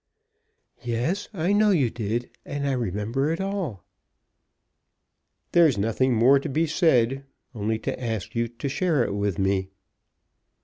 "Yes; I know you did; and I remember it all." "There is nothing more to be said; only to ask you to share it with me."